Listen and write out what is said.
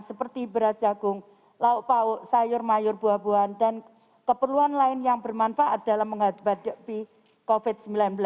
seperti beras jagung lauk pauk sayur mayur buah buahan dan keperluan lain yang bermanfaat dalam menghadapi covid sembilan belas